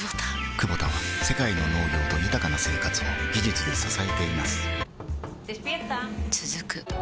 クボタは世界の農業と豊かな生活を技術で支えています起きて。